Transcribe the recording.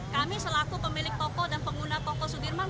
kami selaku pemilik toko dan pengguna toko sudirman